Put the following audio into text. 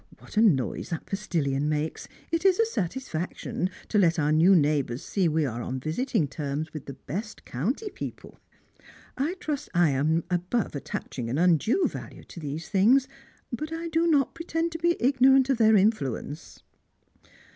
" What a noise that postilion makes ! It is a satis faction to let our new neighbours see we are on visiting terms with the best county people. I trust I am above attaching an undue value to these things : but I do not pretend to be igno rant of their influence."